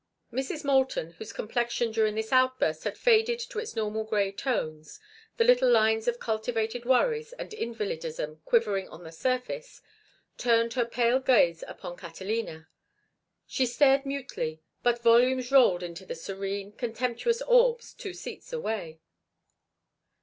Mrs. Moulton, whose complexion during this outburst had faded to its normal gray tones, the little lines of cultivated worries and invalidism quivering on the surface, turned her pale gaze upon Catalina. She stared mutely, but volumes rolled into the serene, contemptuous orbs two seats away.